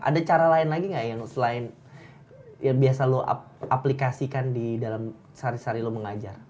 ada cara lain lagi nggak yang selain yang biasa lo aplikasikan di dalam sehari cari lo mengajar